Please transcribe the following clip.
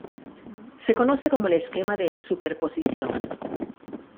Se conoce como el esquema de "superposición".